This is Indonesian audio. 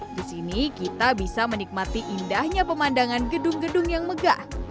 di sini kita bisa menikmati indahnya pemandangan gedung gedung yang megah